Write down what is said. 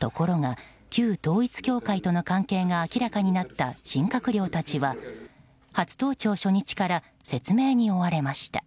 ところが、旧統一教会との関係が明らかになった新閣僚たちは初登庁初日から説明に追われました。